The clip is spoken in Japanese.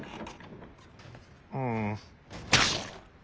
うん。